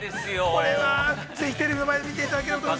これは、ぜひテレビの前で見ていただけると。